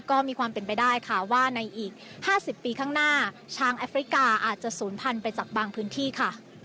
ก็มีความเป็นไปได้ค่ะว่าในอีก๕๐ปีข้างหน้าช้างแอฟริกาอาจจะศูนย์พันธุไปจากบางพื้นที่ค่ะ